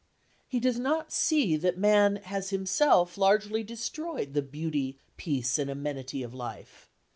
He does not see that man has himself largely destroyed the beauty, peace and amenity of life.